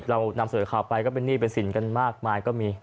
เรานำเสนอข่าวไปก็เป็นหนี้เป็นสินกันมากมายก็มี